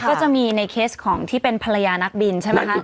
ก็จะมีในเคสของที่เป็นภรรยานักบินใช่ไหมคะ